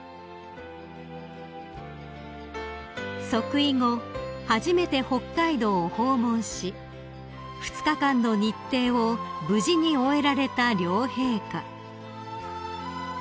［即位後初めて北海道を訪問し２日間の日程を無事に終えられた両陛下］